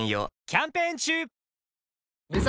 キャンペーン中！